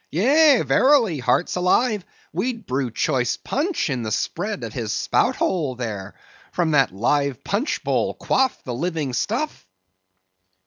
Yea, verily, hearts alive, we'd brew choice punch in the spread of his spout hole there, and from that live punch bowl quaff the living stuff."